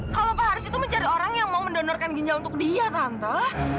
kalau pak haris itu mencari orang yang mau mendonorkan ginjal untuk dia tante